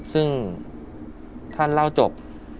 ซึ่งท่านเล่าจบ